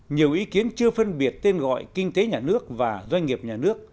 nhiều ý kiến chưa phân biệt tên gọi kinh tế nhà nước và doanh nghiệp nhà nước